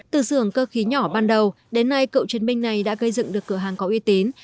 từ xưởng cơ khí nhỏ ban đầu đến nay cựu chiến binh này đã gây dựng được cửa hàng có uy tín